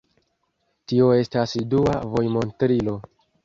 Tio estas dua vojmontrilo.